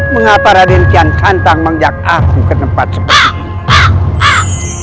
mengapa raden tiansantang mengajak aku ke tempat seperti ini